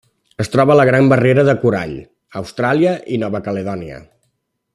Es troba a la Gran Barrera de Corall a Austràlia i Nova Caledònia.